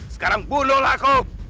sekarang bunuhlah aku